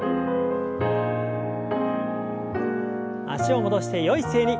脚を戻してよい姿勢に。